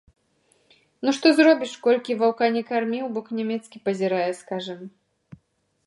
Ну што зробіш, колькі ваўка не кармі, у бок нямецкі пазірае, скажам.